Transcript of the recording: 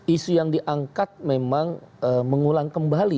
isu yang diangkat memang mengulang kembali